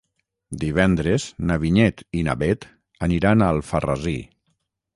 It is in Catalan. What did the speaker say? Divendres na Vinyet i na Bet aniran a Alfarrasí.